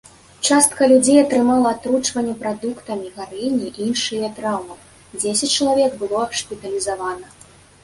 Частка людзей атрымала атручвання прадуктамі гарэння і іншыя траўмы, дзесяць чалавек было шпіталізавана.